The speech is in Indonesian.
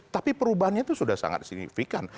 tapi perubahannya itu sudah sangat signifikan